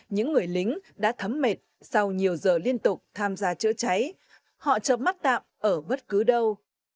những người lính đã thấm mệt sau nhiều giờ liên tục tham gia chữa cháy họ chập mắt tạm ở bất cứ đâu